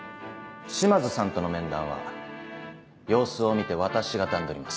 島津さんとの面談は様子を見て私が段取ります。